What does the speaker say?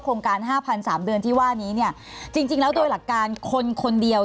โครงการ๕๓๐๐เดือนที่ว่านี้เนี่ยจริงแล้วตัวหลักการคนคนเดียว